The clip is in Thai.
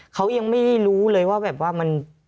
เขายังไม่รู้เลยว่ามัน